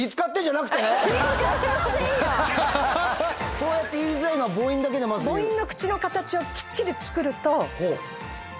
そうやって言いづらいのは母音だけでまず言う？へ面白い。